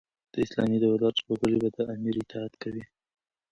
د اسلامي دولت وګړي به د امیر اطاعت کوي.